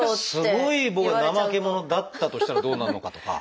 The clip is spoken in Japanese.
すごい僕が怠け者だったとしたらどうなるのかとか。